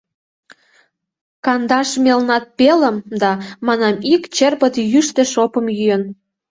Кандаш мелнат пелым да, манам, ик черпыт йӱштӧ шопым йӱын.